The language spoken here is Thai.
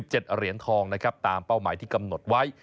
เจ็ดเหรียญทองนะครับตามเป้าหมายที่กำหนดไว้